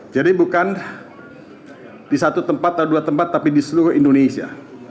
jadi bukan di satu tempat atau dua tempat tapi di seluruh indonesia